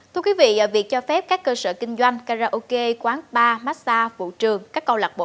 thưa quý vị việc cho phép các cơ sở kinh doanh karaoke quán bar massage vụ trường các câu lạc bộ